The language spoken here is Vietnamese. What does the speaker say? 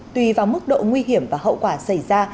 tùy vào mức độ nguy hiểm và hậu quả xảy ra